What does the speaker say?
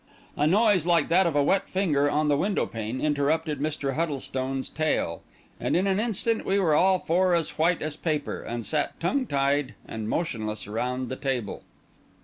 A noise like that of a wet finger on the window pane interrupted Mr. Huddlestone's tale; and in an instant we were all four as white as paper, and sat tongue tied and motionless round the table.